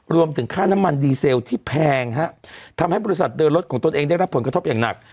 รวมถึงค่าน้ำมันดีเซลที่แพงฮะทำให้บริษัทเดินรถของตนเองได้รับผลกระทบอย่างหนัก